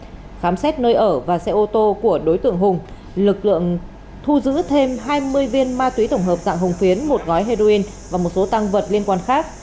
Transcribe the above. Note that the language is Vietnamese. khi khám xét nơi ở và xe ô tô của đối tượng hùng lực lượng thu giữ thêm hai mươi viên ma túy tổng hợp dạng hồng phiến một gói heroin và một số tăng vật liên quan khác